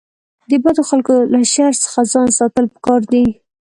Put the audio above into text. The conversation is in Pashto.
د بدو خلکو له شر څخه ځان ساتل پکار دي.